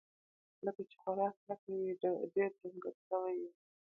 لکه چې خوراک نه کوې ، ډېر ډنګر سوی یې